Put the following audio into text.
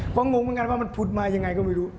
ก็งงว่ามันพุดมายังไงก็ไม่รู้